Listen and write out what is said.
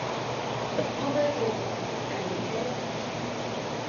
Новыя клопаты, але нічога страшнага.